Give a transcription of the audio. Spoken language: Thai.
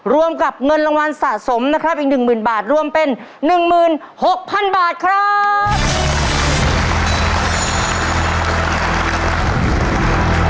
รวมกับเงินรางวัลสะสมนะครับอีกหนึ่งหมื่นบาทรวมเป็นหนึ่งหมื่นหกพันบาทครับ